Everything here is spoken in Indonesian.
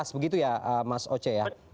dua ribu dua belas begitu ya mas oce ya